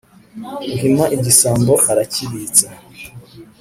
Uhima igisambo arakibitsa